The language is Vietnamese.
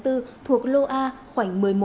thuộc lô a khoảng một mươi một